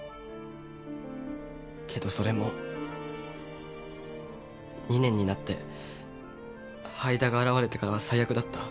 けどそれも２年になって灰田が現れてからは最悪だった。